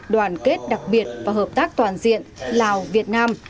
đoàn kết đặc biệt và hợp tác toàn diện lào việt nam